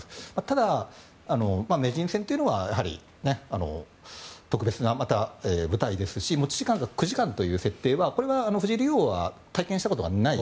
ただ、名人戦というのは特別なまた舞台ですし持ち時間が９時間という設定はこれは藤井竜王は体験したことがない